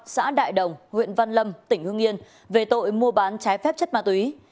xã đại đồng huyện văn lâm tỉnh hương yên về tội mua bán trái phép chất ma túy